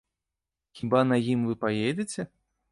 Хіба на ім вы паедзеце?